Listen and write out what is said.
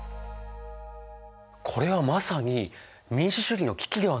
これはまさに民主主義の危機ではないですか。